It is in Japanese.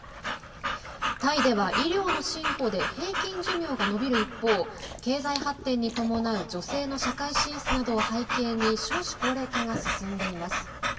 タイでは、医療の進歩で平均寿命が延びる一方経済発展に伴う女性の社会進出などを背景に少子高齢化が進んでいます。